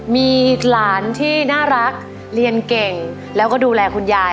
มีหลานที่น่ารักเรียนเก่งแล้วก็ดูแลคุณยาย